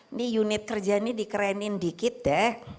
ini unit kerja ini dikerenin dikit deh